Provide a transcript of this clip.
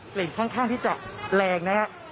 กลิ่นข้างที่ลัคแรง